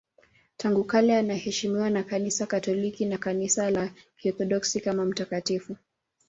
Tangu kale anaheshimiwa na Kanisa Katoliki na Kanisa la Kiorthodoksi kama mtakatifu.